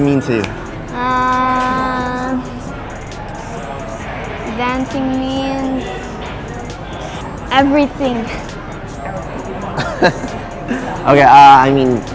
อยากทำช้าแรง